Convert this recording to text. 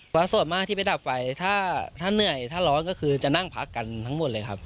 เพราะส่วนมากที่ไปดับไฟถ้าเหนื่อยถ้าร้อนก็คือจะนั่งพักกันทั้งหมดเลยครับ